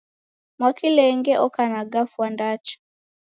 Mwakilenge oka na gafwa ndacha.